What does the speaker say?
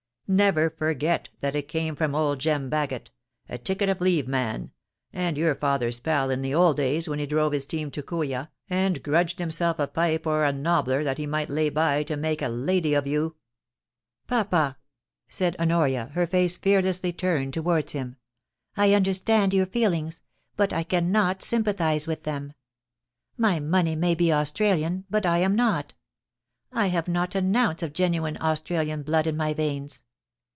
Never forget that it came from old Jem Bagot, a ticket of leave man, and your father*s pal in the old days when he drove his team to Kooya, and grudged himself a pipe or a nobbier that he might lay by to make a lady of you '* Papa !* said Honoria, her face fearlessly turned towards him, *I understand your feelings, but I cannot sympathise with them. My money may be Australian, but I am not. I have not an ounce of genuine Australian blood in my veins.